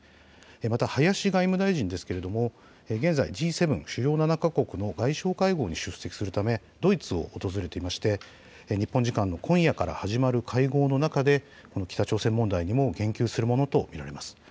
また林外務大臣ですが現在、Ｇ７・主要７か国の外相会合に出席するためドイツを訪れていまして、日本時間の今夜から始まる会合の中で北朝鮮問題にも言及するものと見られます。